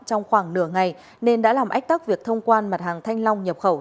trong khoảng nửa ngày nên đã làm ách tắc việc thông quan mặt hàng thanh long nhập khẩu